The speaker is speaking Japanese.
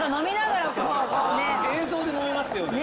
映像で飲めますね。